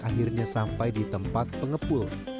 akhirnya sampai di tempat pengepul